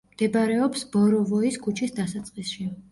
მდებარეობს ბოროვოის ქუჩის დასაწყისში.